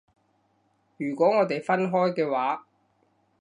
如果我哋分開嘅話